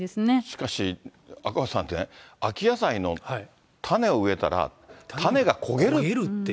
しかし、赤星さんね、秋野菜の種を植えたら、種が焦げるって。